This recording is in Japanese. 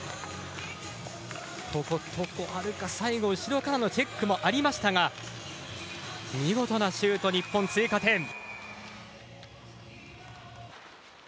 床秦留可、最後後ろからのチェックもありましたが見事なシュート、日本追加点。